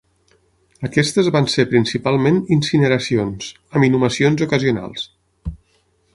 Aquestes van ser principalment incineracions, amb inhumacions ocasionals.